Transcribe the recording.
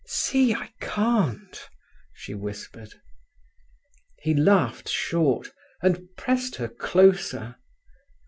"See! I can't," she whispered. He laughed short, and pressed her closer.